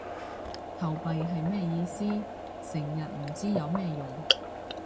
投幣係咩意思？成日唔知有咩用